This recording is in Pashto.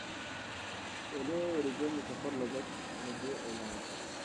بلو اوریجن د سفر لګښت نه دی اعلان کړی.